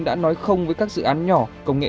đã nói không với các dự án nhỏ công nghệ